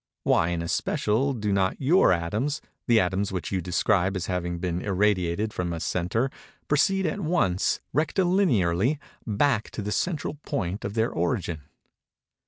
'—why, in especial, do not your atoms—the atoms which you describe as having been irradiated from a centre—proceed at once, rectilinearly, back to the central point of their origin?"